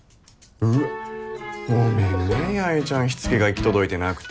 うわごめんね八重ちゃんしつけが行き届いてなくて。